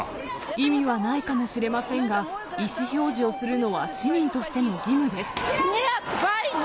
意味はないかもしれませんが、意思表示をするのは市民としての義務です。